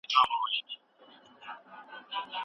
ده له موقع څخه ګټه پورته کړه.